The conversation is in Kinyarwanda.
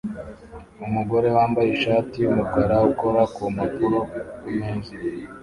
Umugore wambaye ishati yumukara ukora kumpapuro kumeza